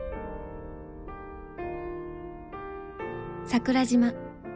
桜島。